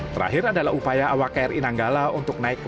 terakhir adalah upaya awak kri nanggala untuk naik